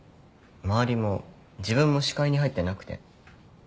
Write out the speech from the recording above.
周りも自分も視界に入ってなくて。